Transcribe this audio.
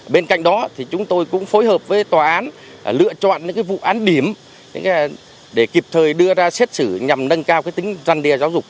bên cạnh đó thì chúng tôi cũng phối hợp với tòa án lựa chọn những vụ án điểm để kịp thời đưa ra xét xử nhằm nâng cao tính răn đe giáo dục